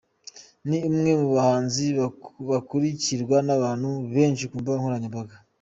Ni umwe mu bahanzi bakurukirwa n’abantu benshi ku mbuga nkoranyambaga.